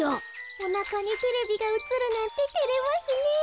おなかにテレビがうつるなんててれますねえ。